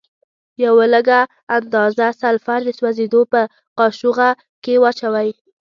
یوه لږه اندازه سلفر د سوځیدو په قاشوغه کې واچوئ.